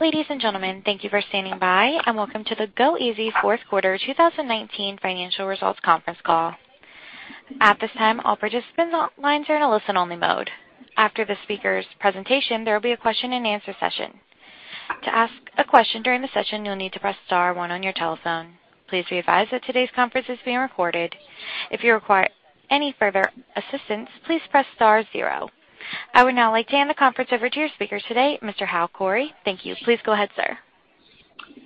Ladies and gentlemen, thank you for standing by, and welcome to the goeasy Fourth Quarter 2019 Financial Results Conference Call. At this time, all participant lines are in a listen-only mode. After the speakers' presentation, there will be a question-and-answer session. To ask a question during the session, you'll need to press star one on your telephone. Please be advised that today's conference is being recorded. If you require any further assistance, please press star zero. I would now like to hand the conference over to your speaker today, Mr. Hal Khouri. Thank you. Please go ahead, sir.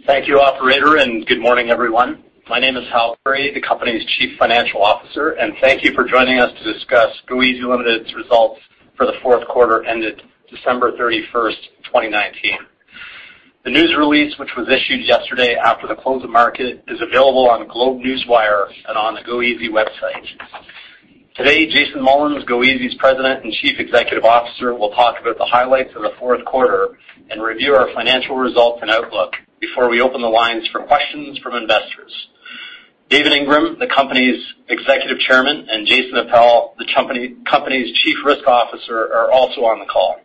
Thank you, operator, good morning, everyone. My name is Hal Khouri, the company's Chief Financial Officer, and thank you for joining us to discuss goeasy Ltd.'s Results for the fourth quarter ended December 31st, 2019. The news release, which was issued yesterday after the close of market, is available on GlobeNewswire and on the goeasy website. Today, Jason Mullins, goeasy's President and Chief Executive Officer, will talk about the highlights of the fourth quarter and review our financial results and outlook before we open the lines for questions from investors. David Ingram, the company's Executive Chairman, and Jason Appel, the company's Chief Risk Officer, are also on the call.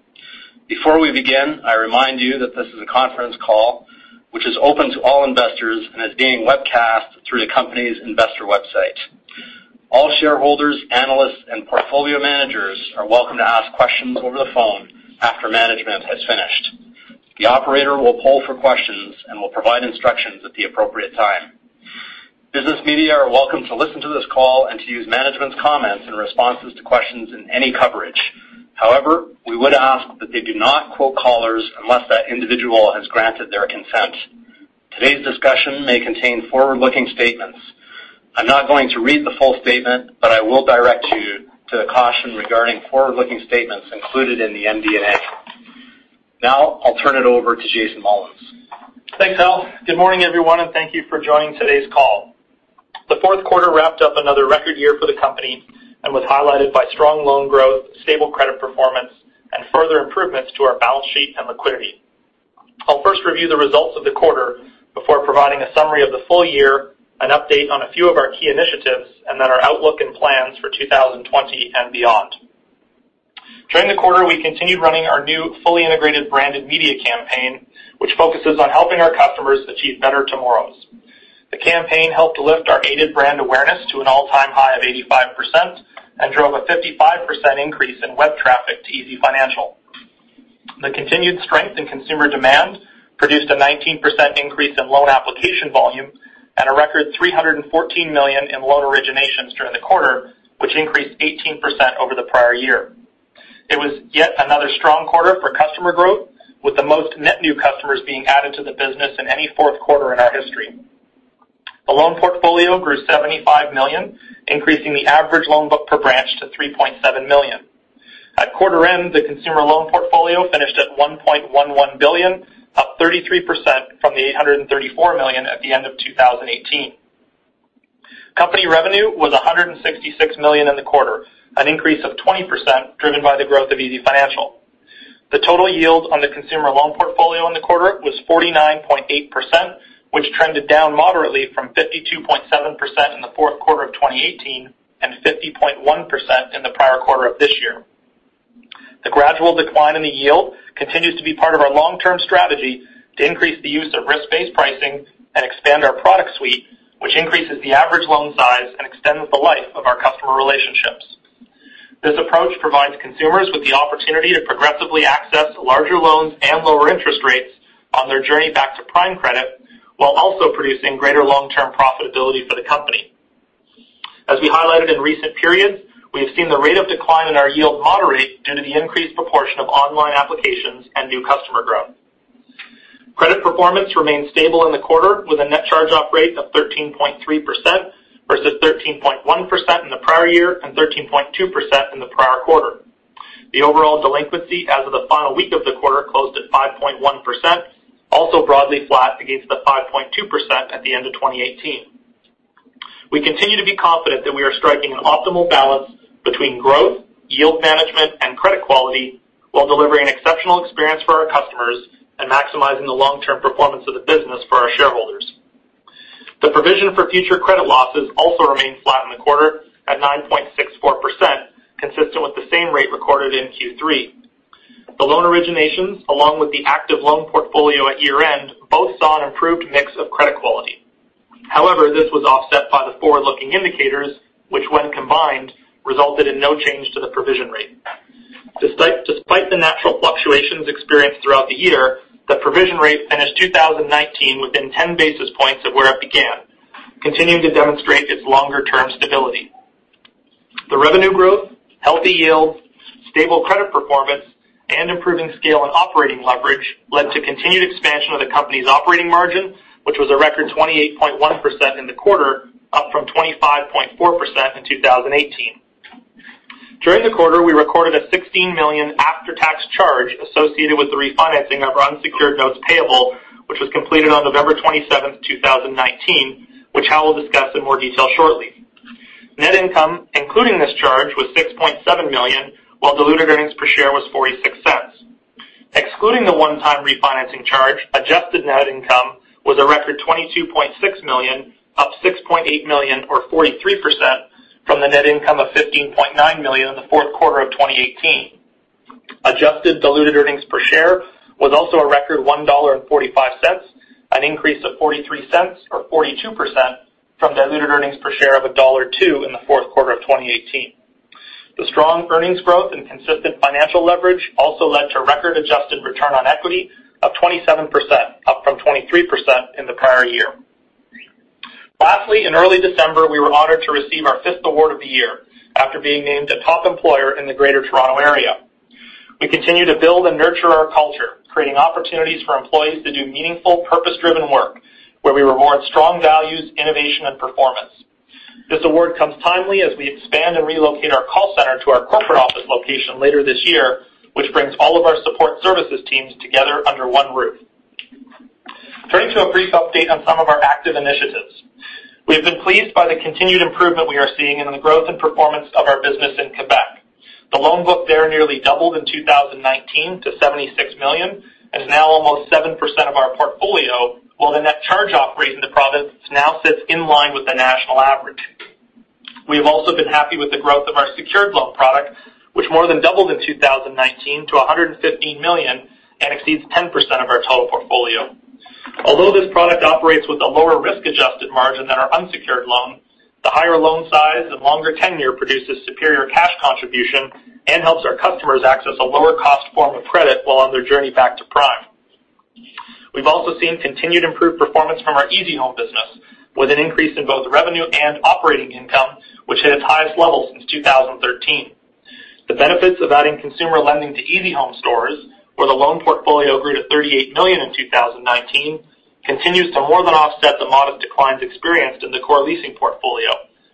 Before we begin, I remind you that this is a conference call which is open to all investors and is being webcast through the company's investor website. All shareholders, analysts, and portfolio managers are welcome to ask questions over the phone after management has finished. The operator will poll for questions and will provide instructions at the appropriate time. Business media are welcome to listen to this call and to use management's comments and responses to questions in any coverage. However, we would ask that they do not quote callers unless that individual has granted their consent. Today's discussion may contain forward-looking statements. I'm not going to read the full statement, but I will direct you to the caution regarding forward-looking statements included in the MD&A. Now, I'll turn it over to Jason Mullins. Thanks, Hal. Good morning, everyone, and thank you for joining today's call. The fourth quarter wrapped up another record year for the company and was highlighted by strong loan growth, stable credit performance, and further improvements to our balance sheet and liquidity. I'll first review the results of the quarter before providing a summary of the full year, an update on a few of our key initiatives, and then our outlook and plans for 2020 and beyond. During the quarter, we continued running our new fully integrated branded media campaign, which focuses on helping our customers achieve better tomorrows. The campaign helped lift our aided brand awareness to an all-time high of 85% and drove a 55% increase in web traffic to easyfinancial. The continued strength in consumer demand produced a 19% increase in loan application volume and a record 314 million in loan originations during the quarter, which increased 18% over the prior year. It was yet another strong quarter for customer growth, with the most net new customers being added to the business in any fourth quarter in our history. The loan portfolio grew 75 million, increasing the average loan book per branch to 3.7 million. At quarter end, the consumer loan portfolio finished at 1.11 billion, up 33% from the 834 million at the end of 2018. Company revenue was 166 million in the quarter, an increase of 20% driven by the growth of easyfinancial. The total yield on the consumer loan portfolio in the quarter was 49.8%, which trended down moderately from 52.7% in the fourth quarter of 2018 and 50.1% in the prior quarter of this year. The gradual decline in the yield continues to be part of our long-term strategy to increase the use of risk-based pricing and expand our product suite, which increases the average loan size and extends the life of our customer relationships. This approach provides consumers with the opportunity to progressively access larger loans and lower interest rates on their journey back to prime credit, while also producing greater long-term profitability for the company. As we highlighted in recent periods, we have seen the rate of decline in our yield moderate due to the increased proportion of online applications and new customer growth. Credit performance remained stable in the quarter with a net charge-off rate of 13.3% versus 13.1% in the prior year and 13.2% in the prior quarter. The overall delinquency as of the final week of the quarter closed at 5.1%, also broadly flat against the 5.2% at the end of 2018. We continue to be confident that we are striking an optimal balance between growth, yield management, and credit quality while delivering an exceptional experience for our customers and maximizing the long-term performance of the business for our shareholders. The provision for future credit losses also remained flat in the quarter at 9.64%, consistent with the same rate recorded in Q3. The loan originations, along with the active loan portfolio at year-end, both saw an improved mix of credit quality. This was offset by the Forward-looking Indicators, which, when combined, resulted in no change to the provision rate. Despite the natural fluctuations experienced throughout the year, the provision rate finished 2019 within 10 basis points of where it began, continuing to demonstrate its longer-term stability. The revenue growth, healthy yield, stable credit performance, and improving scale and operating leverage led to continued expansion of the company's operating margin, which was a record 28.1% in the quarter, up from 25.4% in 2018. During the quarter, we recorded a 16 million after-tax charge associated with the refinancing of our unsecured notes payable, which was completed on November 27th, 2019, which Hal will discuss in more detail shortly. Net income, including this charge, was 6.7 million, while diluted earnings per share was 0.46. Excluding the one-time refinancing charge, adjusted net income was a record 22.6 million, up 6.8 million or 43% from the net income of 15.9 million in the fourth quarter of 2018. Adjusted diluted earnings per share was also a record 1.45 dollar, an increase of 0.43 or 42% from diluted earnings per share of dollar 1.02 in the fourth quarter of 2018. The strong earnings growth and consistent financial leverage also led to record adjusted return on equity of 27%, up from 23% in the prior year. Lastly, in early December, we were honored to receive our fifth award of the year after being named a Top Employer in the Greater Toronto Area. We continue to build and nurture our culture, creating opportunities for employees to do meaningful, purpose-driven work where we reward strong values, innovation, and performance. This award comes timely as we expand and relocate our call center to our corporate office location later this year, which brings all of our support services teams together under one roof. Turning to a brief update on some of our active initiatives. We've been pleased by the continued improvement we are seeing in the growth and performance of our business in Quebec. The loan book there nearly doubled in 2019 to 76 million, and is now almost 7% of our portfolio, while the net charge-off rate in the province now sits in line with the national average. We have also been happy with the growth of our secured loan product, which more than doubled in 2019 to 115 million and exceeds 10% of our total portfolio. Although this product operates with a lower risk-adjusted margin than our unsecured loan, the higher loan size and longer tenure produces superior cash contribution and helps our customers access a lower cost form of credit while on their journey back to prime. We've also seen continued improved performance from our easyhome business, with an increase in both revenue and operating income, which hit its highest level since 2013. The benefits of adding consumer lending to easyhome stores, where the loan portfolio grew to 38 million in 2019, continues to more than offset the modest declines experienced in the core leasing portfolio,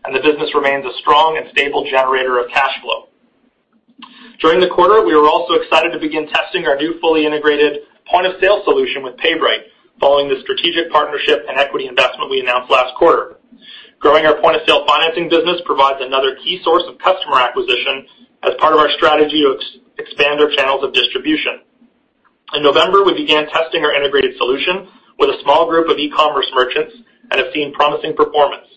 and the business remains a strong and stable generator of cash flow. During the quarter, we were also excited to begin testing our new fully integrated point-of-sale solution with PayBright, following the strategic partnership and equity investment we announced last quarter. Growing our point-of-sale financing business provides another key source of customer acquisition as part of our strategy to expand our channels of distribution. In November, we began testing our integrated solution with a small group of e-commerce merchants and have seen promising performance.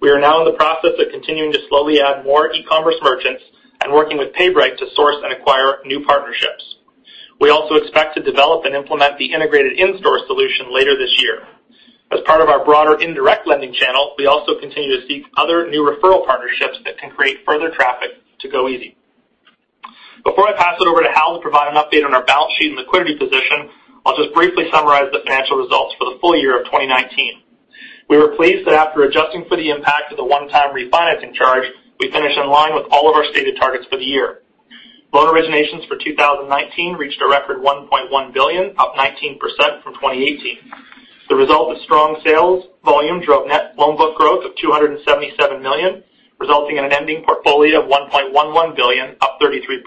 We are now in the process of continuing to slowly add more e-commerce merchants and working with PayBright to source and acquire new partnerships. We also expect to develop and implement the integrated in-store solution later this year. As part of our broader indirect lending channel, we also continue to seek other new referral partnerships that can create further traffic to goeasy. Before I pass it over to Hal to provide an update on our balance sheet and liquidity position, I'll just briefly summarize the financial results for the full year of 2019. We were pleased that after adjusting for the impact of the one-time refinancing charge, we finished in line with all of our stated targets for the year. Loan originations for 2019 reached a record 1.1 billion, up 19% from 2018. The result of strong sales volume drove net loan book growth of 277 million, resulting in an ending portfolio of 1.11 billion, up 33%.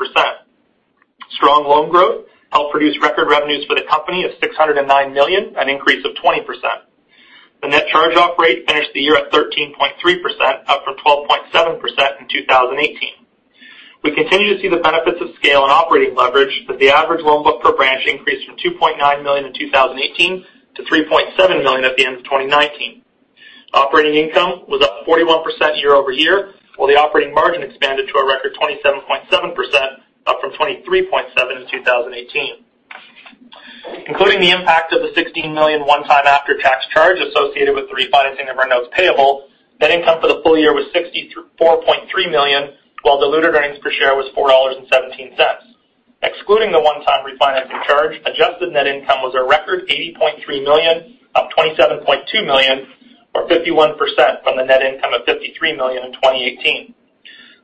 Strong loan growth helped produce record revenues for the company of 609 million, an increase of 20%. The net charge-off rate finished the year at 13.3%, up from 12.7% in 2018. We continue to see the benefits of scale and operating leverage, with the average loan book per branch increased from 2.9 million in 2018 to 3.7 million at the end of 2019. Operating income was up 41% year-over-year, while the operating margin expanded to a record 27.7%, up from 23.7% in 2018. Including the impact of the 16 million one-time after-tax charge associated with the refinancing of our notes payable, net income for the full year was 64.3 million, while diluted earnings per share was CAD 4.17. Excluding the one-time refinancing charge, adjusted net income was a record 80.3 million, up 27.2 million, or 51% from the net income of 53 million in 2018.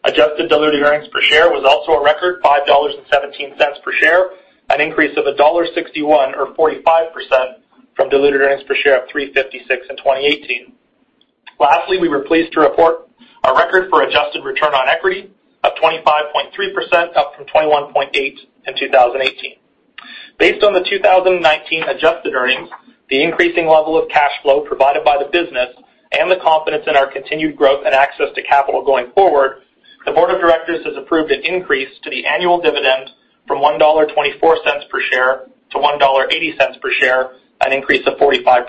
Adjusted diluted earnings per share was also a record 5.17 dollars per share, an increase of dollar 1.61 or 45% from diluted earnings per share of 3.56 in 2018. Lastly, we were pleased to report a record for adjusted return on equity of 25.3%, up from 21.8% in 2018. Based on the 2019 adjusted earnings, the increasing level of cash flow provided by the business, and the confidence in our continued growth and access to capital going forward, the board of directors has approved an increase to the annual dividend from 1.24 dollar per share to 1.80 dollar per share, an increase of 45%.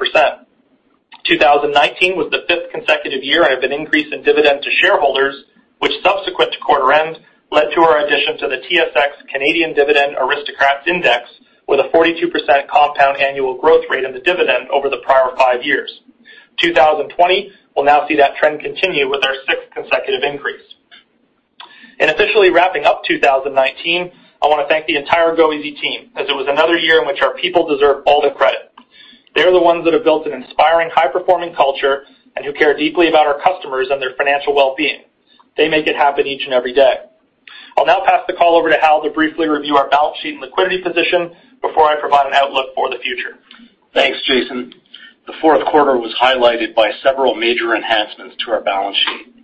2019 was the fifth consecutive year to have an increase in dividend to shareholders, which subsequent to quarter end, led to our addition to the S&P/TSX Canadian Dividend Aristocrats Index with a 42% compound annual growth rate of the dividend over the prior five years. 2020 will now see that trend continue with our sixth consecutive increase. In officially wrapping up 2019, I want to thank the entire goeasy team as it was another year in which our people deserve all the credit. They are the ones that have built an inspiring, high-performing culture and who care deeply about our customers and their financial well-being. They make it happen each and every day. I'll now pass the call over to Hal to briefly review our balance sheet and liquidity position before I provide an outlook for the future. Thanks, Jason. The fourth quarter was highlighted by several major enhancements to our balance sheet.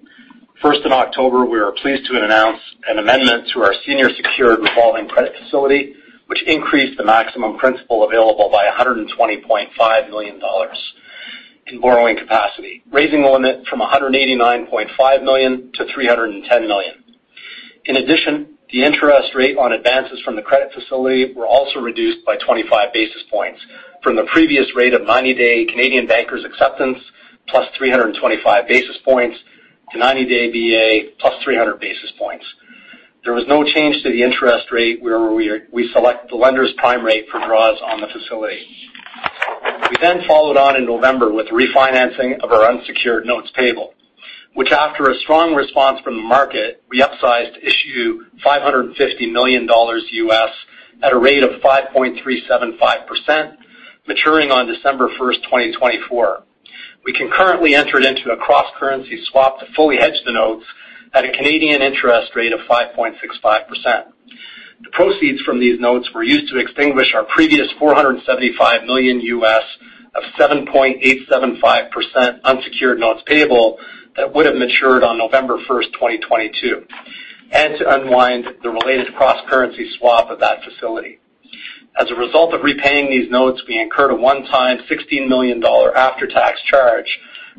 In October, we were pleased to announce an amendment to our senior secured revolving credit facility, which increased the maximum principal available by 120.5 million dollars in borrowing capacity, raising the limit from 189.5 million to 310 million. In addition, the interest rate on advances from the credit facility were also reduced by 25 basis points from the previous rate of 90-day Canadian Bankers Acceptance plus 325 basis points to 90-day BA plus 300 basis points. There was no change to the interest rate where we select the lender's prime rate for draws on the facility. We followed on in November with refinancing of our unsecured notes payable, which after a strong response from the market, we upsized issue $550 million U.S. at a rate of 5.375%, maturing on December 1st, 2024. We concurrently entered into a cross-currency swap to fully hedge the notes at a Canadian interest rate of CAD 5.65%. The proceeds from these notes were used to extinguish our previous $475 million U.S. of 7.875% unsecured notes payable that would have matured on November 1st, 2022, and to unwind the related cross-currency swap of that facility. As a result of repaying these notes, we incurred a one-time 16 million dollar after-tax charge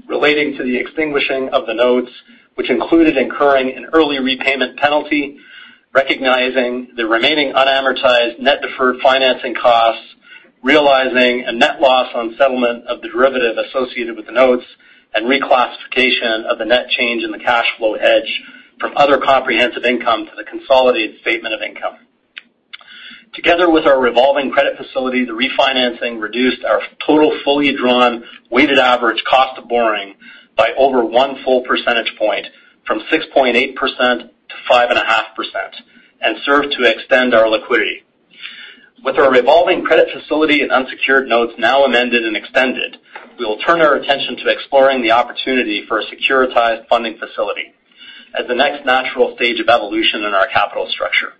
relating to the extinguishing of the notes, which included incurring an early repayment penalty, recognizing the remaining unamortized net deferred financing costs, realizing a net loss on settlement of the derivative associated with the notes, and reclassification of the net change in the cash flow hedge from other comprehensive income to the consolidated statement of income. Together with our revolving credit facility, the refinancing reduced our total fully drawn weighted average cost of borrowing by over one full percentage point from 6.8%-5.5% and served to extend our liquidity. With our revolving credit facility and unsecured notes now amended and extended, we will turn our attention to exploring the opportunity for a securitized funding facility as the next natural stage of evolution in our capital structure.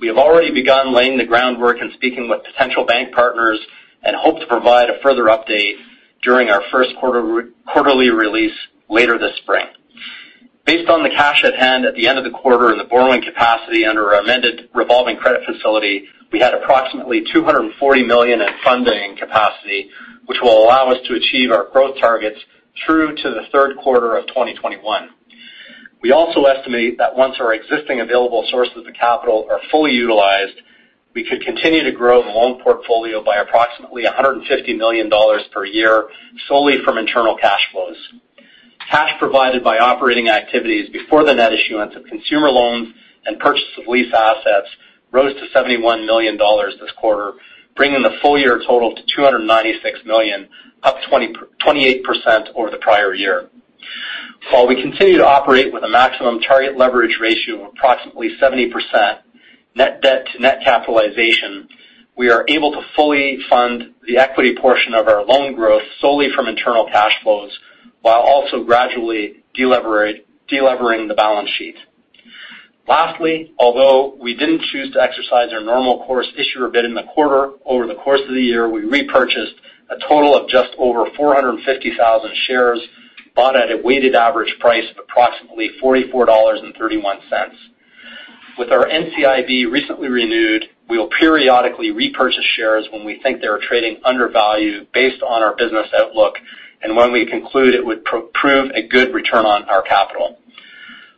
We have already begun laying the groundwork and speaking with potential bank partners and hope to provide a further update during our first quarterly release later this spring. Based on the cash at hand at the end of the quarter and the borrowing capacity under our amended revolving credit facility, we had approximately 240 million in funding capacity, which will allow us to achieve our growth targets through to the third quarter of 2021. We also estimate that once our existing available sources of capital are fully utilized, we could continue to grow the loan portfolio by approximately 150 million dollars per year, solely from internal cash flows. Cash provided by operating activities before the net issuance of consumer loans and purchase of lease assets rose to 71 million dollars this quarter, bringing the full-year total to 296 million, up 28% over the prior year. While we continue to operate with a maximum target leverage ratio of approximately 70% net debt to net capitalization, we are able to fully fund the equity portion of our loan growth solely from internal cash flows, while also gradually de-levering the balance sheet. Lastly, although we didn't choose to exercise our Normal Course Issuer Bid in the quarter, over the course of the year, we repurchased a total of just over 450,000 shares, bought at a weighted average price of approximately 44.31 dollars. With our NCIB recently renewed, we'll periodically repurchase shares when we think they are trading undervalued based on our business outlook and when we conclude it would prove a good return on our capital.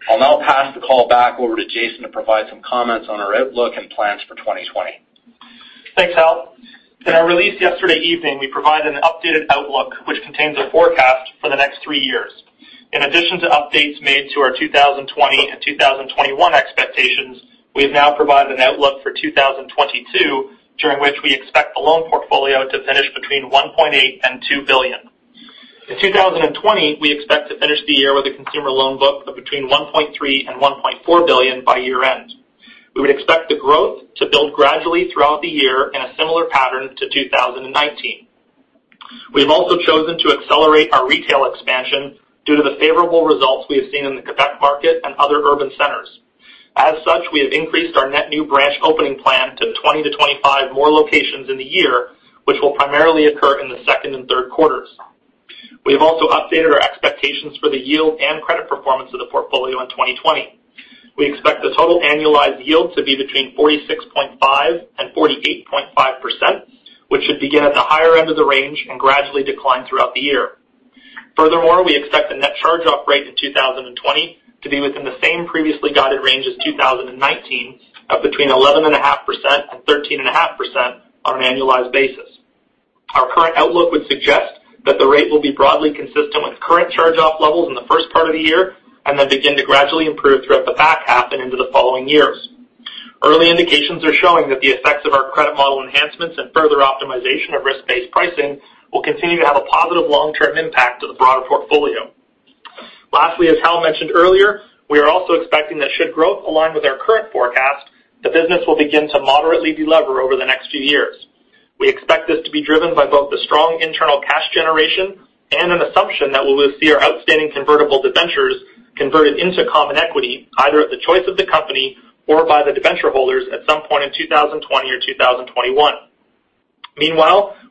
I'll now pass the call back over to Jason to provide some comments on our outlook and plans for 2020. Thanks, Hal. In our release yesterday evening, we provided an updated outlook, which contains a forecast for the next three years. In addition to updates made to our 2020 and 2021 expectations, we have now provided an outlook for 2022, during which we expect the loan portfolio to finish between 1.8 billion and 2 billion. In 2020, we expect to finish the year with a consumer loan book of between 1.3 billion and 1.4 billion by year-end. We would expect the growth to build gradually throughout the year in a similar pattern to 2019. We've also chosen to accelerate our retail expansion due to the favorable results we have seen in the Quebec market and other urban centers. As such, we have increased our net new branch opening plan to 20-25 more locations in the year, which will primarily occur in the second and third quarters. We have also updated our expectations for the yield and credit performance of the portfolio in 2020. We expect the total annualized yield to be between 46.5% and 48.5%, which should begin at the higher end of the range and gradually decline throughout the year. We expect the net charge-off rate in 2020 to be within the same previously guided range as 2019 of between 11.5% and 13.5% on an annualized basis. Our current outlook would suggest that the rate will be broadly consistent with current charge-off levels in the first part of the year and then begin to gradually improve throughout the back half and into the following years. Early indications are showing that the effects of our credit model enhancements and further optimization of risk-based pricing will continue to have a positive long-term impact to the broader portfolio. Lastly, as Hal mentioned earlier, we are also expecting that should growth align with our current forecast, the business will begin to moderately de-lever over the next few years. We expect this to be driven by both the strong internal cash generation and an assumption that we will see our outstanding convertible debentures converted into common equity either at the choice of the company or by the debenture holders at some point in 2020 or 2021.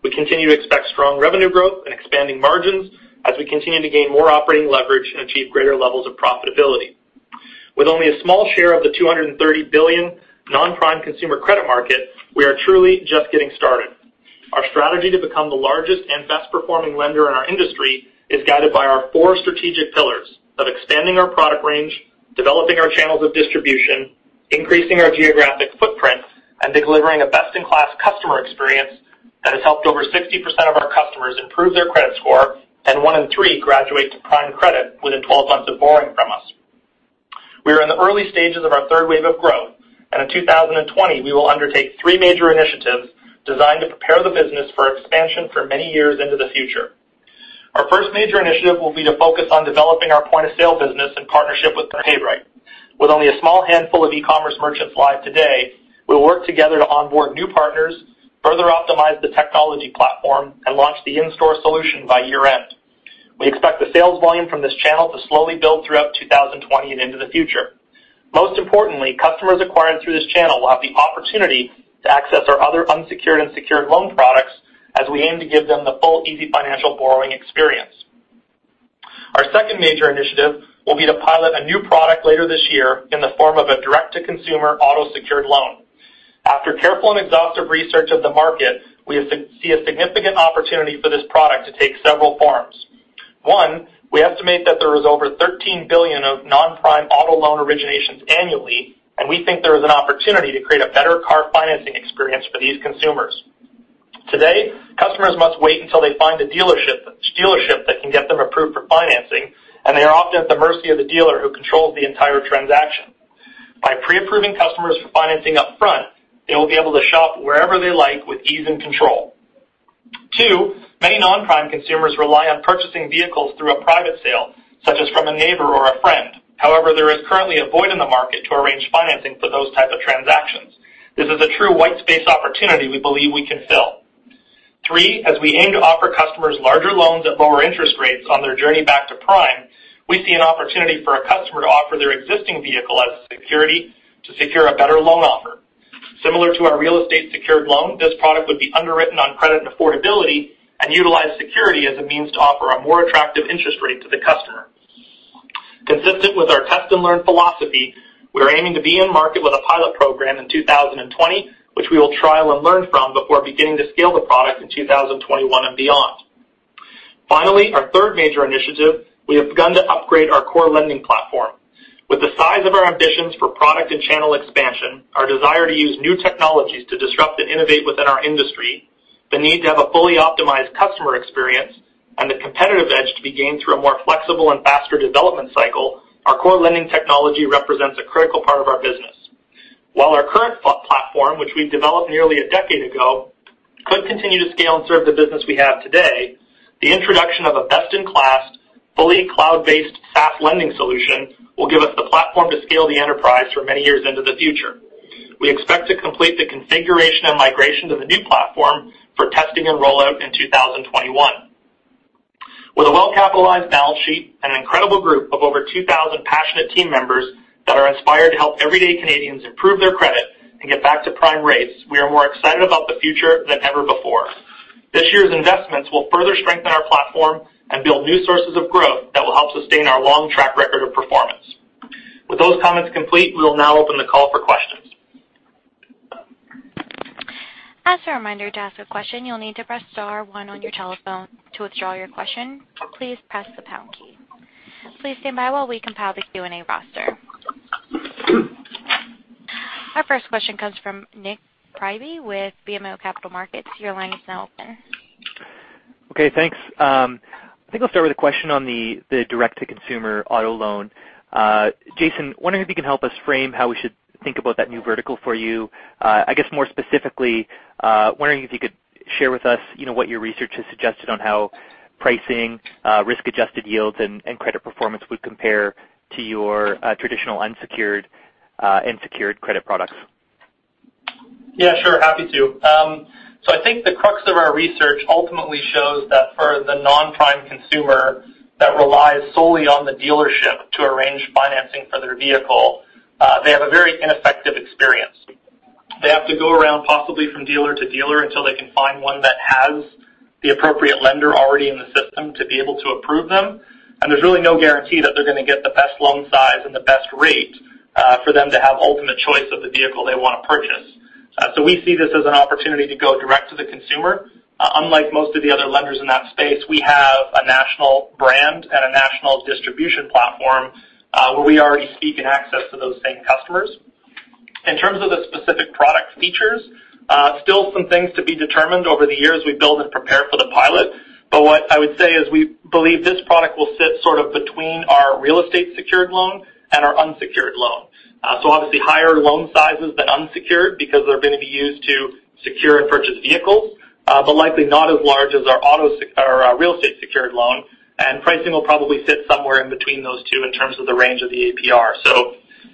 We continue to expect strong revenue growth and expanding margins as we continue to gain more operating leverage and achieve greater levels of profitability. With only a small share of the 230 billion non-prime consumer credit market, we are truly just getting started. Our strategy to become the largest and best-performing lender in our industry is guided by our four strategic pillars of expanding our product range, developing our channels of distribution, increasing our geographic footprint, and delivering a best-in-class customer experience that has helped over 60% of our customers improve their credit score, and one in three graduate to prime credit within 12 months of borrowing from us. We are in the early stages of our third wave of growth, and in 2020, we will undertake three major initiatives designed to prepare the business for expansion for many years into the future. Our first major initiative will be to focus on developing our point-of-sale business in partnership with PayBright. With only a small handful of e-commerce merchants live today, we will work together to onboard new partners, further optimize the technology platform, and launch the in-store solution by year-end. We expect the sales volume from this channel to slowly build throughout 2020 and into the future. Most importantly, customers acquired through this channel will have the opportunity to access our other unsecured and secured loan products as we aim to give them the full easyfinancial borrowing experience. Our second major initiative will be to pilot a new product later this year in the form of a direct-to-consumer auto-secured loan. After careful and exhaustive research of the market, we see a significant opportunity for this product to take several forms. One, we estimate that there is over 13 billion of non-prime auto loan originations annually, and we think there is an opportunity to create a better car financing experience for these consumers. Today, customers must wait until they find a dealership that can get them approved for financing, and they are often at the mercy of the dealer who controls the entire transaction. By pre-approving customers for financing up front, they will be able to shop wherever they like with ease and control. Two, many non-prime consumers rely on purchasing vehicles through a private sale, such as from a neighbor or a friend. However, there is currently a void in the market to arrange financing for those types of transactions. This is a true white space opportunity we believe we can fill. Three, as we aim to offer customers larger loans at lower interest rates on their journey back to prime, we see an opportunity for a customer to offer their existing vehicle as security to secure a better loan offer. Similar to our real estate secured loan, this product would be underwritten on credit and affordability and utilize security as a means to offer a more attractive interest rate to the customer. Consistent with our test-and-learn philosophy, we are aiming to be in market with a pilot program in 2020, which we will trial and learn from before beginning to scale the product in 2021 and beyond. Finally, our third major initiative, we have begun to upgrade our core lending platform. With the size of our ambitions for product and channel expansion, our desire to use new technologies to disrupt and innovate within our industry, the need to have a fully optimized customer experience, and the competitive edge to be gained through a more flexible and faster development cycle, our core lending technology represents a critical part of our business. While our current platform, which we developed nearly a decade ago, could continue to scale and serve the business we have today, the introduction of a best-in-class, fully cloud-based, fast lending solution will give us the platform to scale the enterprise for many years into the future. We expect to complete the configuration and migration to the new platform for testing and rollout in 2021. With a well-capitalized balance sheet and an incredible group of over 2,000 passionate team members that are inspired to help everyday Canadians improve their credit and get back to prime rates, we are more excited about the future than ever before. This year's investments will further strengthen our platform and build new sources of growth that will help sustain our long track record of performance. With those comments complete, we will now open the call for questions. As a reminder, to ask a question, you'll need to press star one on your telephone. To withdraw your question, please press the pound key. Please stand by while we compile the Q&A roster. Our first question comes from Nik Priebe with BMO Capital Markets. Your line is now open. Okay, thanks. I think I'll start with a question on the direct-to-consumer auto loan. Jason, wondering if you can help us frame how we should think about that new vertical for you. I guess more specifically, wondering if you could share with us what your research has suggested on how pricing, risk-adjusted yields, and credit performance would compare to your traditional unsecured and secured credit products. Yeah, sure. Happy to. I think the crux of our research ultimately shows that for the non-prime consumer that relies solely on the dealership to arrange financing for their vehicle, they have a very ineffective experience. They have to go around possibly from dealer to dealer until they can find one that has the appropriate lender already in the system to be able to approve them, and there's really no guarantee that they're going to get the best loan size and the best rate for them to have ultimate choice of the vehicle they want to purchase. We see this as an opportunity to go direct to the consumer. Unlike most of the other lenders in that space, we have a national brand and a national distribution platform where we already seek and access to those same customers. In terms of the specific product features, still some things to be determined over the years we build and prepare for the pilot. What I would say is we believe this product will sit sort of between our real estate secured loan and our unsecured loan. Obviously higher loan sizes than unsecured because they're going to be used to secure and purchase vehicles. Likely not as large as our real estate secured loan, and pricing will probably sit somewhere in between those two in terms of the range of the APR.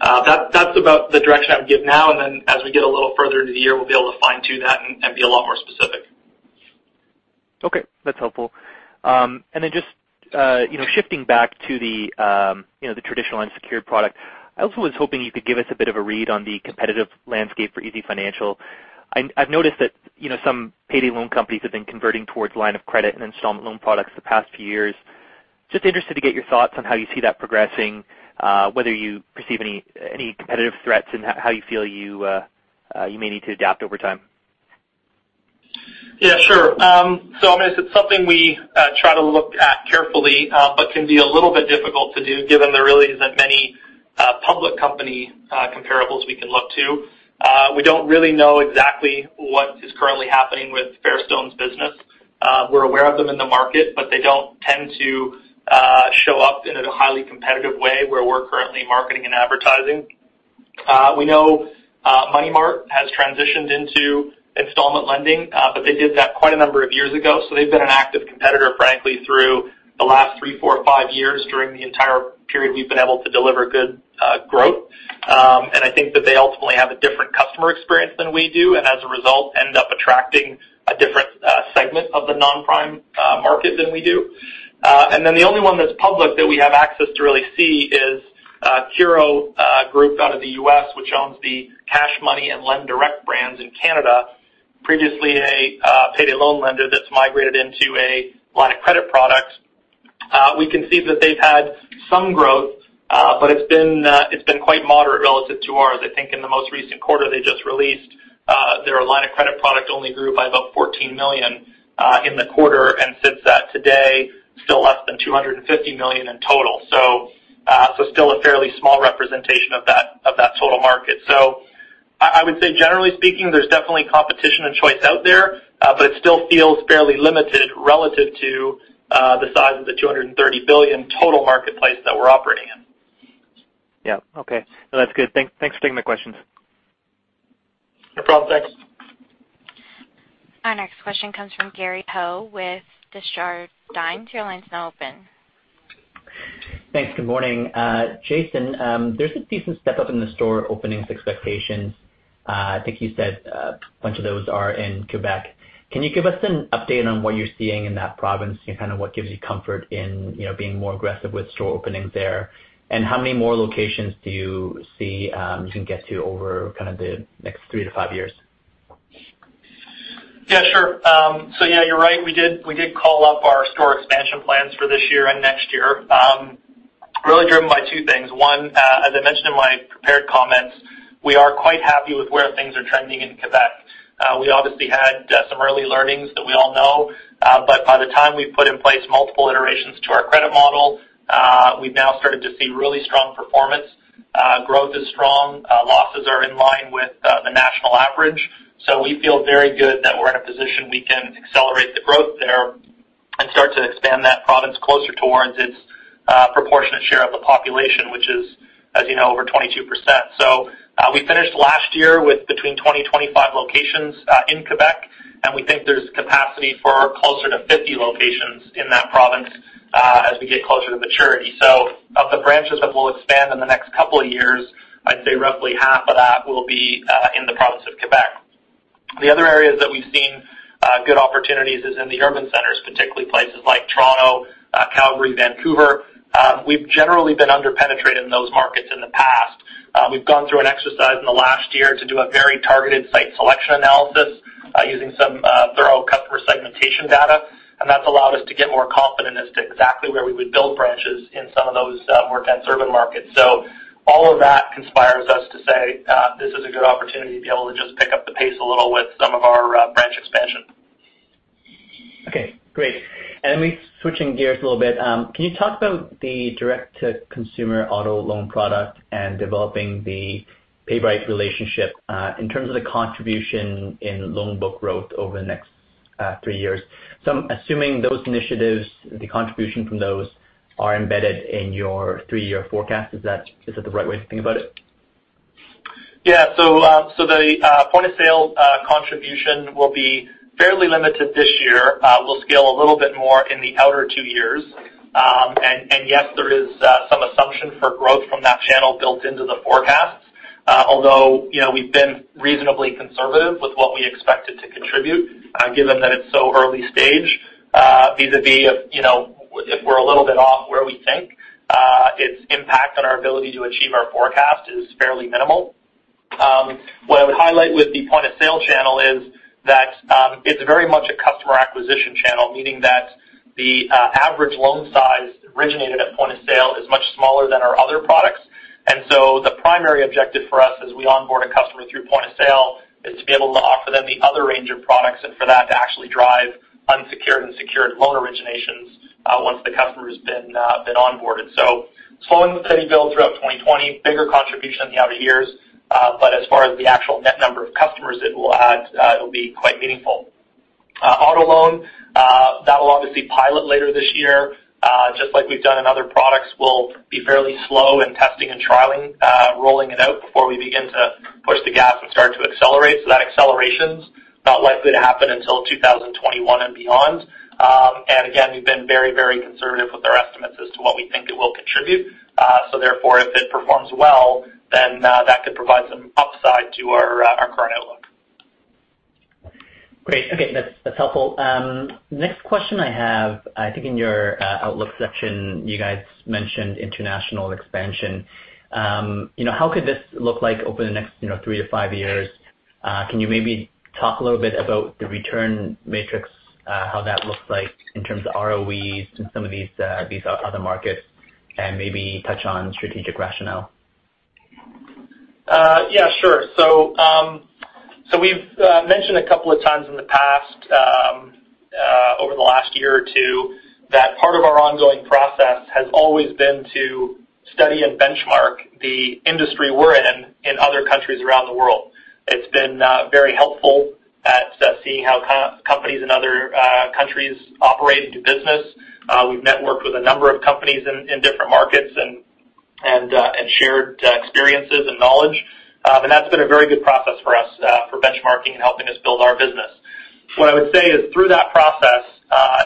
That's about the direction I would give now, and then as we get a little further into the year, we'll be able to fine-tune that and be a lot more specific. Okay, that's helpful. Just shifting back to the traditional unsecured product. I also was hoping you could give us a bit of a read on the competitive landscape for easyfinancial. I've noticed that some payday loan companies have been converting towards line of credit and installment loan products the past few years. Just interested to get your thoughts on how you see that progressing, whether you perceive any competitive threats, and how you feel you may need to adapt over time. Yeah, sure. I mean, it's something we try to look at carefully, but can be a little bit difficult to do given there really isn't many public company comparables we can look to. We don't really know exactly what is currently happening with Fairstone's business. They don't tend to show up in a highly competitive way where we're currently marketing and advertising. We know Money Mart has transitioned into installment lending, but they did that quite a number of years ago. They've been an active competitor, frankly, through the last three, four, or five years during the entire period we've been able to deliver good growth. I think that they ultimately have a different customer experience than we do, and as a result, end up attracting a different segment of the non-prime market than we do. The only one that's public that we have access to really see is CURO out of the U.S., which owns the Cash Money and LendDirect brands in Canada, previously a payday loan lender that's migrated into a line of credit products. We can see that they've had some growth, but it's been quite moderate relative to ours. I think in the most recent quarter they just released, their line of credit product only grew by about 14 million in the quarter, and sits at today, still less than 250 million in total. Still a fairly small representation of that total market. I would say generally speaking, there's definitely competition and choice out there, but it still feels fairly limited relative to the size of the 230 billion total marketplace that we're operating in. Yeah. Okay. That's good. Thanks for taking the question. No problem. Thanks. Our next question comes from Gary Ho with Desjardins. Your line's now open. Thanks. Good morning. Jason, there's a decent step up in the store openings expectations. I think you said a bunch of those are in Quebec. Can you give us an update on what you're seeing in that province and kind of what gives you comfort in being more aggressive with store openings there? How many more locations do you see you can get to over kind of the next three to five years? Yeah, sure. Yeah, you're right. We did call up our store expansion plans for this year and next year. Really driven by two things. One, as I mentioned in my prepared comments, we are quite happy with where things are trending in Quebec. We obviously had some early learnings that we all know. By the time we've put in place multiple iterations to our credit model, we've now started to see really strong performance. Growth is strong. Losses are in line with the national average. We feel very good that we're in a position we can accelerate the growth there and start to expand that province closer towards its proportionate share of the population, which is, as you know, over 22%. We finished last year with between 20 to 25 locations in Quebec, and we think there's capacity for closer to 50 locations in that province as we get closer to maturity. Of the branches that we'll expand in the next couple of years, I'd say roughly half of that will be in the province of Quebec. The other areas that we've seen good opportunities is in the urban centers, particularly places like Toronto, Calgary, Vancouver. We've generally been under-penetrated in those markets in the past. We've gone through an exercise in the last year to do a very targeted site selection analysis using some thorough customer segmentation data, and that's allowed us to get more confident as to exactly where we would build branches in some of those more dense urban markets. All of that conspires us to say this is a good opportunity to be able to just pick up the pace a little with some of our branch expansion. Okay, great. Switching gears a little bit. Can you talk about the direct-to-consumer auto loan product and developing the PayBright relationship in terms of the contribution in loan book growth over the next three years? I'm assuming those initiatives, the contribution from those are embedded in your three-year forecast. Is that the right way to think about it? The point-of-sale contribution will be fairly limited this year. We'll scale a little bit more in the outer two years. Yes, there is some assumption for growth from that channel built into the forecasts. Although, we've been reasonably conservative with what we expected to contribute, given that it's so early stage vis-a-vis if we're a little bit off where we think, its impact on our ability to achieve our forecast is fairly minimal. What I would highlight with the point-of-sale channel is that it's very much a customer acquisition channel, meaning that the average loan size originated at point of sale is much smaller than our other products. The primary objective for us as we onboard a customer through point of sale is to be able to offer them the other range of products and for that to actually drive unsecured and secured loan originations once the customer's been onboarded. Slow and steady build throughout 2020, bigger contribution in the outer years. As far as the actual net number of customers it will add, it'll be quite meaningful. Auto loan, that will obviously pilot later this year. Just like we've done in other products, we'll be fairly slow in testing and trialing, rolling it out before we begin to push the gas and start to accelerate. That acceleration's not likely to happen until 2021 and beyond. Again, we've been very, very conservative with our estimates as to what we think it will contribute. If it performs well, then that could provide some upside to our current outlook. Great. Okay, that's helpful. Next question I have, I think in your outlook section, you guys mentioned international expansion. How could this look like over the next 3-5 years? Can you maybe talk a little bit about the return matrix, how that looks like in terms of ROEs in some of these other markets, and maybe touch on strategic rationale? Yeah, sure. We've mentioned a couple of times in the past, over the last year or two, that part of our ongoing process has always been to study and benchmark the industry we're in other countries around the world. It's been very helpful at seeing how companies in other countries operate and do business. We've networked with a number of companies in different markets and shared experiences and knowledge. That's been a very good process for us, for benchmarking and helping us build our business. What I would say is, through that process,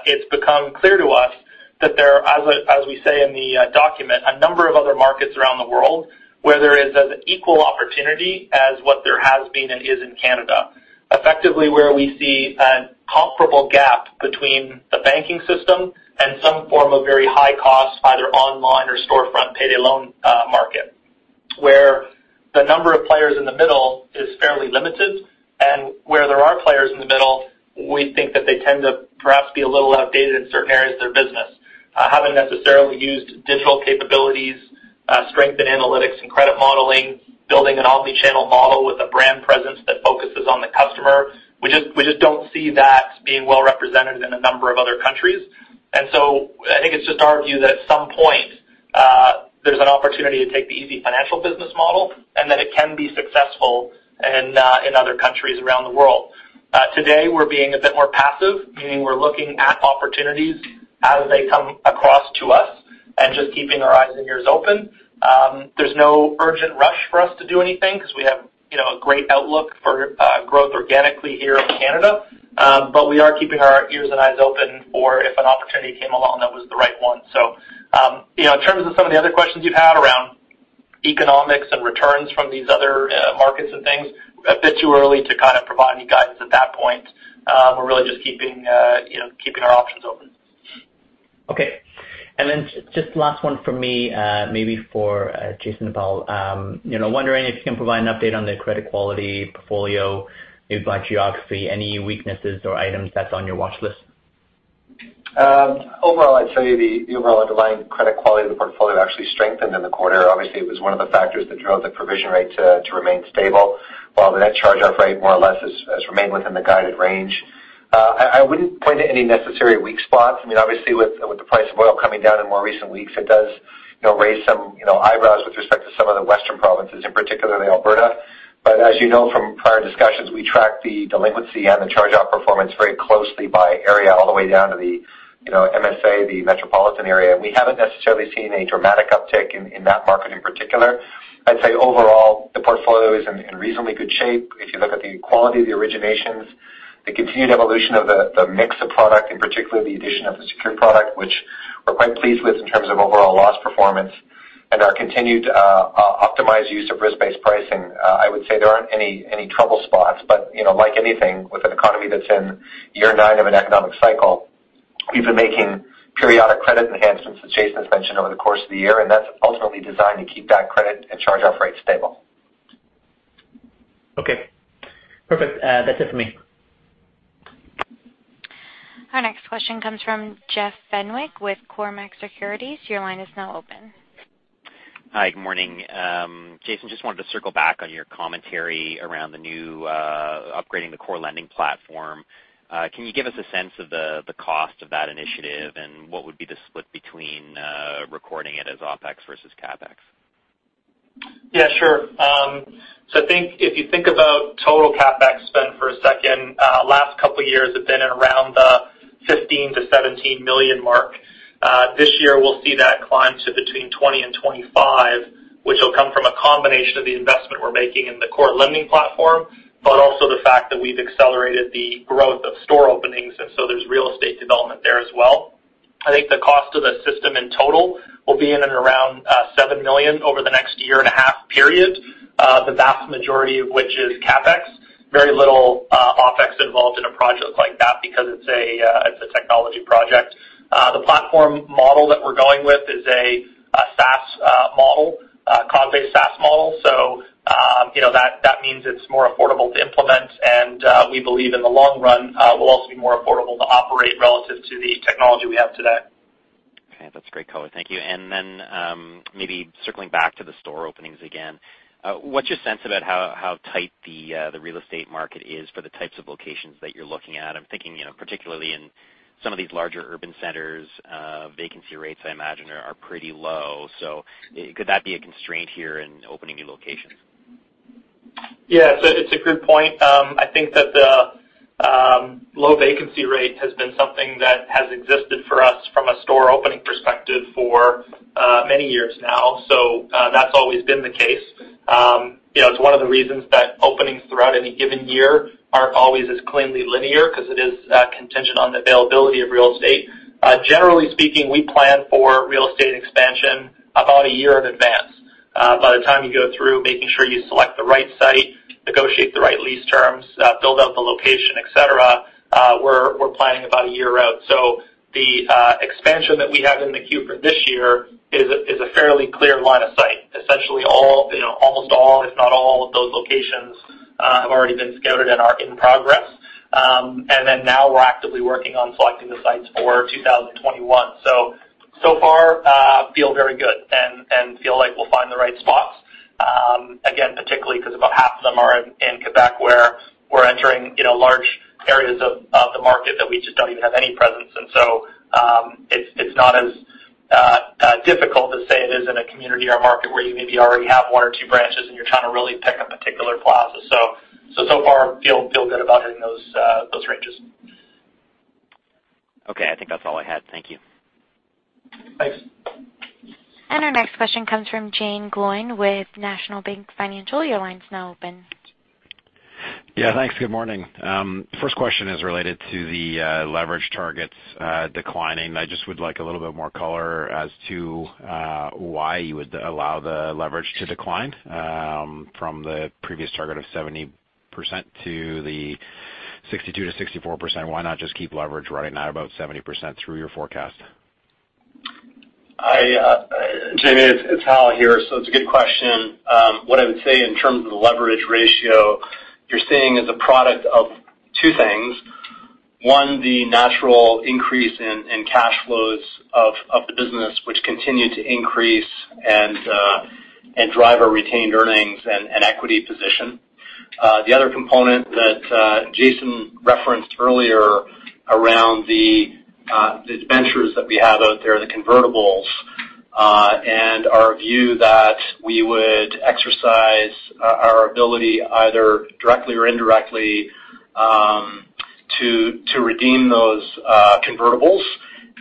it's become clear to us that there are, as we say in the document, a number of other markets around the world where there is as equal opportunity as what there has been and is in Canada. Effectively, where we see a comparable gap between the banking system and some form of very high-cost, either online or storefront payday loan market. Where the number of players in the middle is fairly limited, and where there are players in the middle, we think that they tend to perhaps be a little outdated in certain areas of their business. Haven't necessarily used digital capabilities, strength in analytics and credit modeling, building an omni-channel model with a brand presence that focuses on the customer. We just don't see that being well-represented in a number of other countries. I think it's just our view that at some point, there's an opportunity to take the easyfinancial business model and that it can be successful in other countries around the world. Today, we're being a bit more passive, meaning we're looking at opportunities as they come across to us and just keeping our eyes and ears open. There's no urgent rush for us to do anything because we have a great outlook for growth organically here in Canada. We are keeping our ears and eyes open for if an opportunity came along that was the right one. In terms of some of the other questions you had around economics and returns from these other markets and things, a bit too early to kind of provide any guidance at that point. We're really just keeping our options open. Okay. Then just last one from me, maybe for Jason about wondering if you can provide an update on the credit quality portfolio, maybe by geography, any weaknesses or items that's on your watch list? Overall, I'd say the overall underlying credit quality of the portfolio actually strengthened in the quarter. Obviously, it was one of the factors that drove the provision rate to remain stable. The net charge-off rate more or less has remained within the guided range. I wouldn't point to any necessary weak spots. Obviously, with the price of oil coming down in more recent weeks, it does raise some eyebrows with respect to some of the Western provinces, in particular Alberta. As you know from prior discussions, we track the delinquency and the charge-off performance very closely by area all the way down to the MSA, the metropolitan area, and we haven't necessarily seen a dramatic uptick in that market in particular. I'd say overall, the portfolio is in reasonably good shape. If you look at the quality of the originations, the continued evolution of the mix of product, in particular the addition of the secured product, which we're quite pleased with in terms of overall loss performance and our continued optimized use of risk-based pricing. I would say there aren't any trouble spots, but like anything, with an economy that's in year nine of an economic cycle, we've been making periodic credit enhancements, as Jason's mentioned, over the course of the year, and that's ultimately designed to keep that credit and charge-off rate stable. Okay, perfect. That's it for me. Our next question comes from Jeff Fenwick with Cormark Securities. Your line is now open. Hi, good morning. Jason, just wanted to circle back on your commentary around the new upgrading the core lending platform. Can you give us a sense of the cost of that initiative and what would be the split between recording it as OpEx versus CapEx? Yeah, sure. I think if you think about total CapEx spend for a second, last couple of years have been at around the 15 million-17 million mark. This year, we'll see that climb to between 20 million and 25 million, which will come from a combination of the investment we're making in the core lending platform, but also the fact that we've accelerated the growth of store openings, and so there's real estate development there as well. I think the cost of the system in total will be in and around 7 million over the next year and a half period. The vast majority of which is CapEx. Very little OpEx involved in a project like that because it's a technology project. The platform model that we're going with is a SaaS model, cloud-based SaaS model. That means it's more affordable to implement and we believe in the long run will also be more affordable to operate relative to the technology we have today. Okay. That's great color. Thank you. Maybe circling back to the store openings again. What's your sense about how tight the real estate market is for the types of locations that you're looking at? I'm thinking particularly in some of these larger urban centers, vacancy rates I imagine are pretty low. Could that be a constraint here in opening new locations? It's a good point. I think that the low vacancy rate has been something that has existed for us from a store opening perspective for many years now. That's always been the case. It's one of the reasons that openings throughout any given year aren't always as cleanly linear because it is contingent on the availability of real estate. Generally speaking, we plan for real estate expansion about one year in advance. By the time you go through making sure you select the right site, negotiate the right lease terms, build out the location, et cetera, we're planning about one year out. The expansion that we have in the queue for this year is a fairly clear line of sight. Essentially almost all, if not all of those locations have already been scouted and are in progress. Now we're actively working on selecting the sites for 2021. So far feel very good and feel like we'll find the right spots. Again, particularly because about half of them are in Quebec where we're entering large areas of the market that we just don't even have any presence in. It's not as difficult as say it is in a community or a market where you maybe already have one or two branches and you're trying to really pick a particular plaza. So far feel good about it in those ranges. Okay. I think that's all I had. Thank you. Thanks. Our next question comes from Jaeme Gloyn with National Bank Financial. Your line's now open. Yeah. Thanks. Good morning. First question is related to the leverage targets declining. I just would like a little bit more color as to why you would allow the leverage to decline from the previous target of 70% to the 62%-64%. Why not just keep leverage running at about 70% through your forecast? Jaeme, it's Hal here. It's a good question. What I would say in terms of the leverage ratio you're seeing is a product of two things. One, the natural increase in cash flows of the business, which continue to increase and drive our retained earnings and equity position. The other component that Jason referenced earlier around the debentures that we have out there, the convertibles, and our view that we would exercise our ability either directly or indirectly to redeem those convertibles,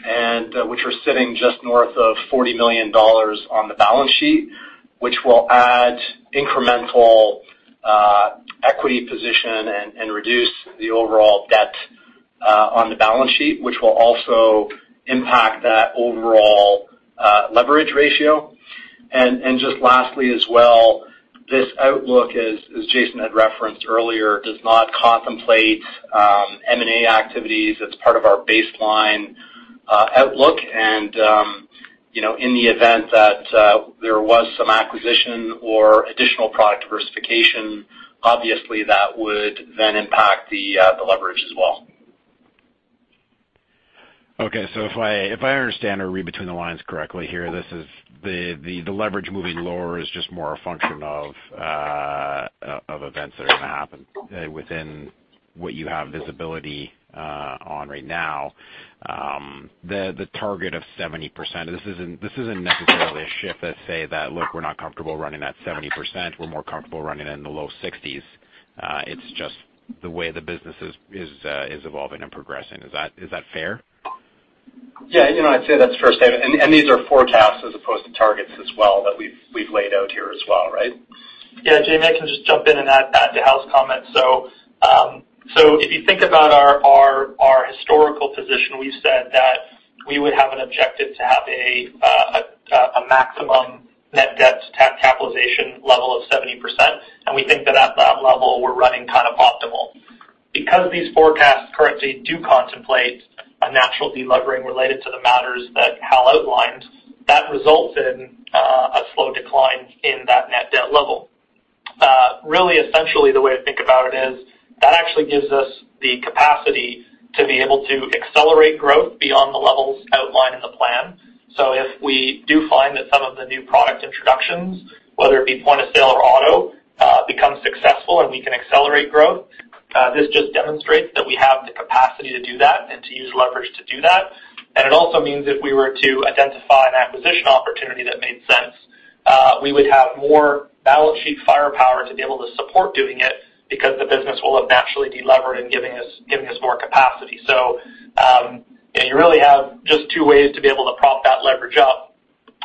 and which are sitting just north of 40 million dollars on the balance sheet, which will add incremental equity position and reduce the overall debt on the balance sheet, which will also impact that overall leverage ratio. Just lastly as well, this outlook, as Jason had referenced earlier, does not contemplate M&A activities. It's part of our baseline outlook. In the event that there was some acquisition or additional product diversification, obviously that would then impact the leverage as well. Okay. If I understand or read between the lines correctly here, the leverage moving lower is just more a function of events that are going to happen within what you have visibility on right now. The target of 70%, this isn't necessarily a shift that say that, look, we're not comfortable running at 70%, we're more comfortable running it in the low 60%s. It's just the way the business is evolving and progressing. Is that fair? Yeah. I'd say that's fair statement, and these are forecasts as opposed to targets as well that we've laid out here as well, right? Jaeme, if I can just jump in and add to Hal's comment. If you think about our historical position, we've said that we would have an objective to have a maximum net debt to capitalization level of 70%, and we think that at that level we're running kind of optimal. Because these forecasts currently do contemplate a natural de-levering related to the matters that Hal outlined, that results in a slow decline in that net debt level. Really essentially the way to think about it is that actually gives us the capacity to be able to accelerate growth beyond the levels outlined in the plan. If we do find that some of the new product introductions, whether it be point-of-sale or auto, become successful and we can accelerate growth this just demonstrates that we have the capacity to do that and to use leverage to do that. It also means if we were to identify an acquisition opportunity that made sense we would have more balance sheet firepower to be able to support doing it because the business will have naturally de-levered and giving us more capacity. You really have just two ways to be able to prop that leverage up.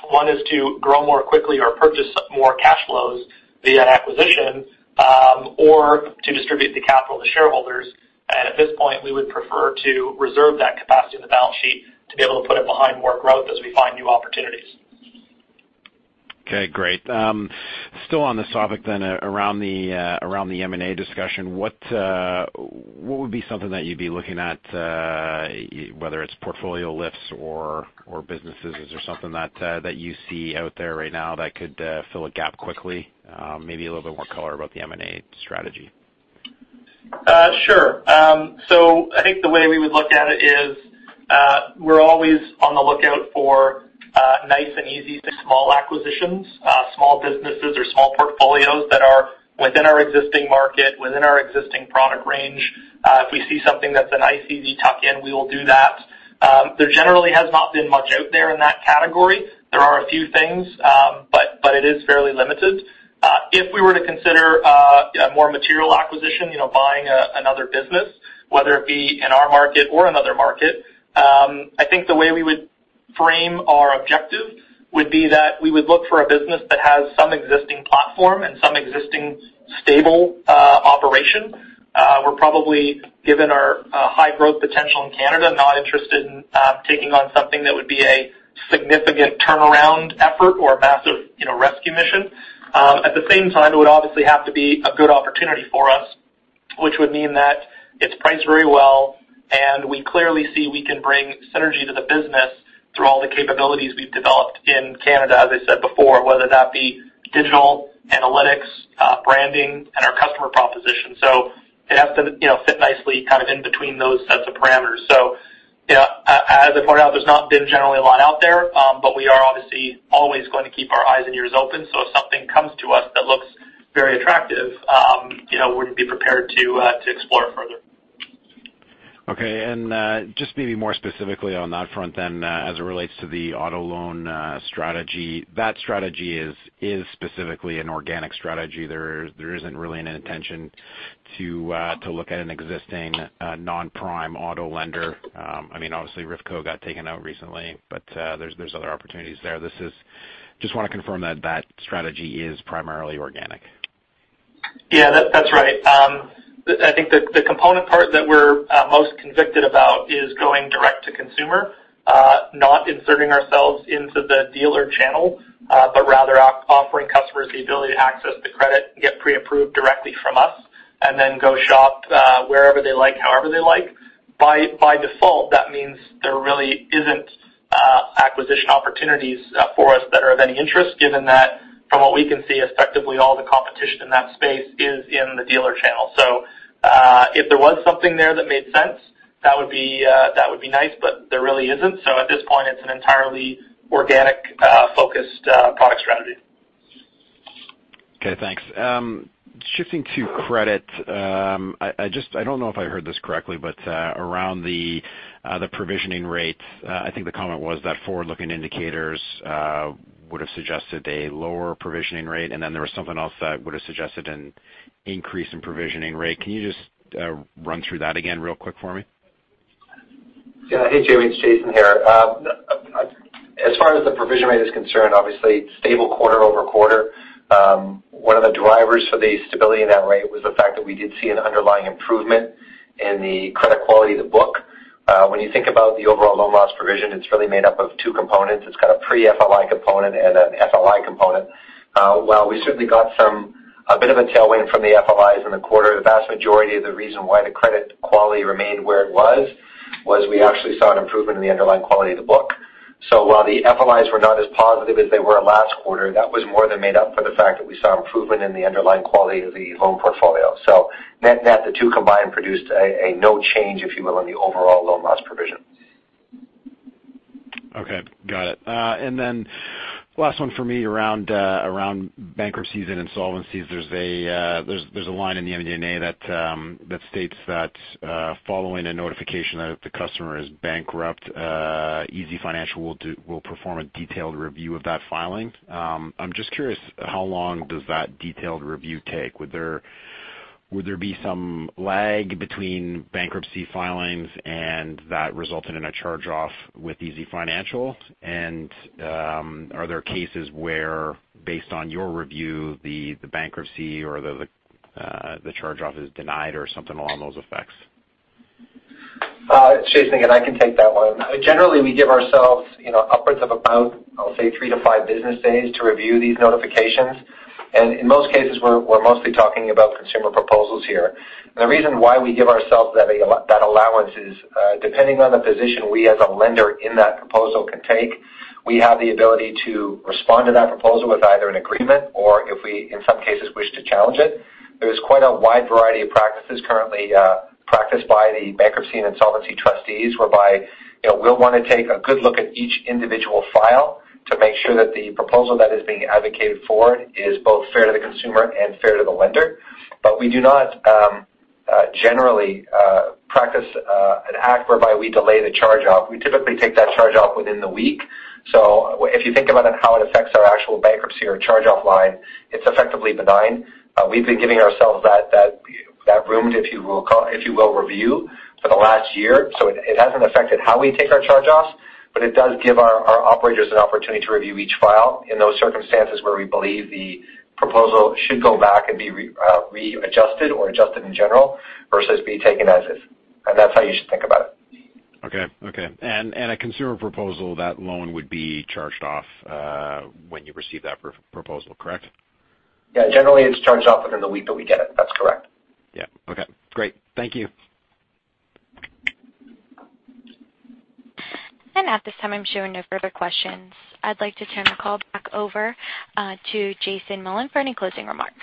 One is to grow more quickly or purchase more cash flows via an acquisition or to distribute the capital to shareholders. At this point, we would prefer to reserve that capacity in the balance sheet to be able to put it behind more growth as we find new opportunities. Okay, great. Still on this topic then around the M&A discussion, what would be something that you'd be looking at whether it's portfolio lifts or businesses? Is there something that you see out there right now that could fill a gap quickly? Maybe a little bit more color about the M&A strategy. Sure. I think the way we would look at it is we're always on the lookout for nice and easy small acquisitions, small businesses or small portfolios that are within our existing market, within our existing product range. If we see something that's a nice easy tuck-in, we will do that. There generally has not been much out there in that category. There are a few things but it is fairly limited. If we were to consider a more material acquisition, buying another business, whether it be in our market or another market, I think the way we would frame our objective would be that we would look for a business that has some existing platform and some existing stable. We're probably, given our high growth potential in Canada, not interested in taking on something that would be a significant turnaround effort or a massive rescue mission. At the same time, it would obviously have to be a good opportunity for us, which would mean that it's priced very well, and we clearly see we can bring synergy to the business through all the capabilities we've developed in Canada, as I said before, whether that be digital, analytics, branding, and our customer proposition. It has to fit nicely kind of in between those sets of parameters. As I pointed out, there's not been generally a lot out there. We are obviously always going to keep our eyes and ears open. If something comes to us that looks very attractive, we'd be prepared to explore it further. Okay. Just maybe more specifically on that front then as it relates to the auto loan strategy. That strategy is specifically an organic strategy. There isn't really an intention to look at an existing non-prime auto lender. Obviously, Rifco got taken out recently, but there's other opportunities there. I just want to confirm that strategy is primarily organic. Yeah, that's right. I think the component part that we're most convicted about is going direct to consumer, not inserting ourselves into the dealer channel. Rather offering customers the ability to access the credit and get pre-approved directly from us, and then go shop wherever they like, however they like. By default, that means there really isn't acquisition opportunities for us that are of any interest, given that from what we can see, effectively all the competition in that space is in the dealer channel. If there was something there that made sense, that would be nice, but there really isn't. At this point, it's an entirely organic-focused product strategy. Okay, thanks. Shifting to credit. I don't know if I heard this correctly, but around the provisioning rates, I think the comment was that Forward-looking indicators would've suggested a lower provisioning rate, and then there was something else that would've suggested an increase in provisioning rate. Can you just run through that again real quick for me? Yeah. Hey, Jay, it's Jason here. As far as the provision rate is concerned, obviously stable quarter-over-quarter. One of the drivers for the stability in that rate was the fact that we did see an underlying improvement in the credit quality of the book. When you think about the overall loan loss provision, it's really made up of two components. It's got a pre-FLI component and an FLI component. While we certainly got a bit of a tailwind from the FLIs in the quarter, the vast majority of the reason why the credit quality remained where it was we actually saw an improvement in the underlying quality of the book. While the FLIs were not as positive as they were last quarter, that was more than made up for the fact that we saw improvement in the underlying quality of the loan portfolio. Net-net, the two combined produced a no change, if you will, in the overall loan loss provision. Okay. Got it. Last one for me around bankruptcies and insolvencies. There's a line in the MD&A that states that following a notification that if the customer is bankrupt, easyfinancial will perform a detailed review of that filing. I'm just curious, how long does that detailed review take? Would there be some lag between bankruptcy filings and that resulting in a charge-off with easyfinancial? Are there cases where, based on your review, the bankruptcy or the charge-off is denied or something along those effects? It's Jason again. I can take that one. Generally, we give ourselves upwards of about, I'll say, three to five business days to review these notifications. In most cases, we're mostly talking about consumer proposals here. The reason why we give ourselves that allowance is depending on the position we as a lender in that proposal can take, we have the ability to respond to that proposal with either an agreement or if we, in some cases, wish to challenge it. There's quite a wide variety of practices currently practiced by the bankruptcy and insolvency trustees whereby we'll want to take a good look at each individual file to make sure that the proposal that is being advocated for is both fair to the consumer and fair to the lender. We do not generally practice an act whereby we delay the charge-off. We typically take that charge-off within the week. If you think about how it affects our actual bankruptcy or charge-off line, it's effectively benign. We've been giving ourselves that room, if you will, review for the last year. It hasn't affected how we take our charge-offs, but it does give our operators an opportunity to review each file in those circumstances where we believe the proposal should go back and be readjusted or adjusted in general, versus be taken as is. That's how you should think about it. Okay. A consumer proposal, that loan would be charged off when you receive that proposal, correct? Yeah. Generally, it's charged off within the week that we get it. That's correct. Yeah. Okay. Great. Thank you. At this time, I'm showing no further questions. I'd like to turn the call back over to Jason Mullins for any closing remarks.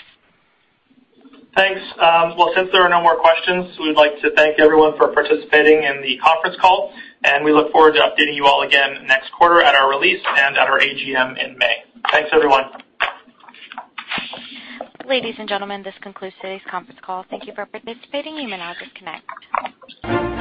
Thanks. Since there are no more questions, we'd like to thank everyone for participating in the conference call, and we look forward to updating you all again next quarter at our release and at our AGM in May. Thanks, everyone. Ladies and gentlemen, this concludes today's conference call. Thank you for participating. You may now disconnect.